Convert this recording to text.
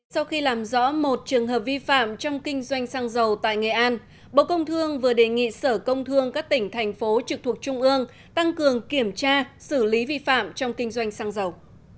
sau khi làm rõ một trường hợp vi phạm trong kinh doanh xăng dầu tại nghệ an bộ công thương vừa đề nghị sở công thương các tỉnh thành phố trực thuộc trung ương tăng cường kiểm tra xử lý vi phạm trong kinh doanh xăng dầu